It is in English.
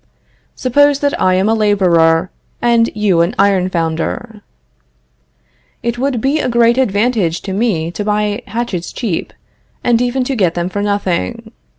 Suppose that I am a laborer and you an iron founder. It would be a great advantage to me to buy hatchets cheap, and even to get them for nothing.